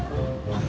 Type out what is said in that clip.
cuk ini udah berapa